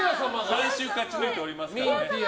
先週勝ち抜いておりますからね。